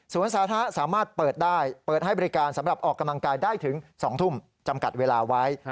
สาธารณะสามารถเปิดได้เปิดให้บริการสำหรับออกกำลังกายได้ถึง๒ทุ่มจำกัดเวลาไว้